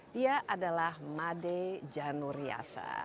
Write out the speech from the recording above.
dia adalah made januryasa